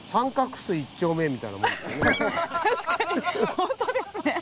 ほんとですね。